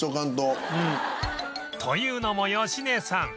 というのも芳根さん